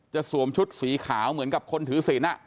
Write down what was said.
สวมชุดสีขาวเหมือนกับคนถือศิลป์